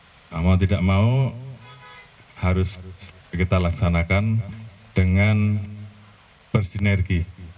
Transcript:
nah mau tidak mau harus kita laksanakan dengan bersinergi